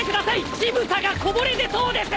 乳房がこぼれ出そうです！